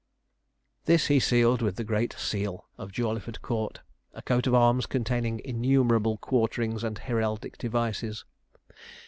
This he sealed with the great seal of Jawleyford Court a coat of arms containing innumerable quarterings and heraldic devices.